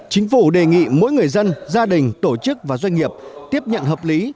chính phủ đề nghị mỗi người dân gia đình tổ chức và doanh nghiệp tiếp nhận hợp lý